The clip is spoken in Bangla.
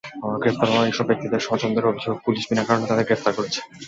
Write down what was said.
গ্রেপ্তার হওয়া এসব ব্যক্তির স্বজনদের অভিযোগ, পুলিশ বিনা কারণে তাঁদের গ্রেপ্তার করেছে।